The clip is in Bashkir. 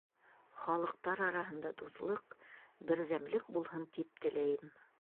— Халыҡтар араһында дуҫлыҡ, берҙәмлек булһын тип теләйем.